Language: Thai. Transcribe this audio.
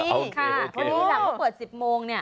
เพราะฉะนั้นเขาเปิด๑๐โมงเนี่ย